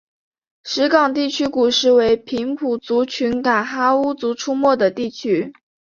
石冈地区古时为平埔族群噶哈巫族出没的地区。